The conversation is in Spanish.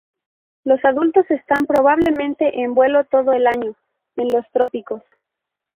Los adultos están probablemente en vuelo todo el año en los trópicos.